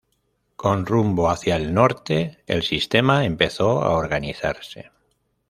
Con rumbo hacia el norte, el sistema empezó a organizarse.